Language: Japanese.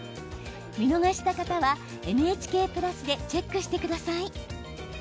見逃した方は、ＮＨＫプラスでチェックしてください。